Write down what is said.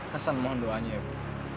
kesan mohon doanya ya bu